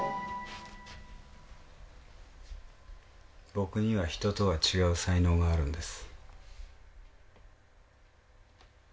僕には人とは違う才能があるんです。